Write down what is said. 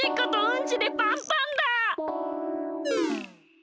ん？